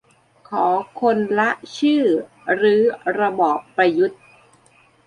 ขอคนละชื่อรื้อระบอบประยุทธ์